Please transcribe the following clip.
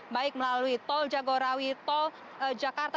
baik melalui tol jagorawi tol jakarta